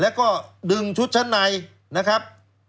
แล้วก็ดึงชุดชั้นในนะครับ